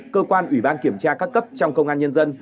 cơ quan ủy ban kiểm tra các cấp trong công an nhân dân